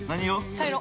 ◆茶色。